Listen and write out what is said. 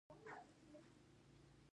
د فوټوسنتز اکسیجن تولیدوي.